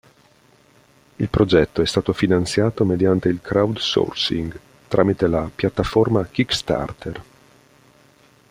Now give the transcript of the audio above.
Il progetto è stato finanziato mediante il crowdsourcing, tramite la piattaforma kickstarter.